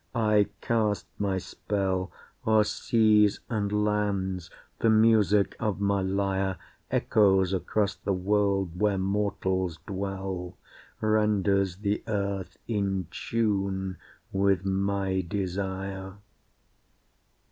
I cast my spell O'er seas and lands, the music of my lyre Echoes across the world where mortals dwell, Renders the earth in tune with my desire.